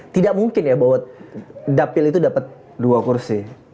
tidak mungkin ya bahwa dapil itu dapat dua kursi